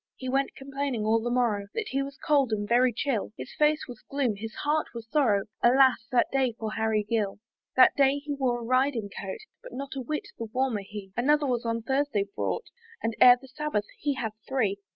He went complaining all the morrow That he was cold and very chill: His face was gloom, his heart was sorrow, Alas! that day for Harry Gill! That day he wore a riding coat, But not a whit the warmer he: Another was on Thursday brought, And ere the Sabbath he had three.